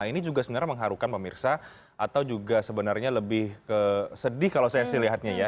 nah ini juga sebenarnya mengharukan pak mirsa atau juga sebenarnya lebih sedih kalau saya lihatnya ya